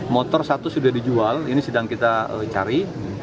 motor satu sudah dijual ini sedang kita cari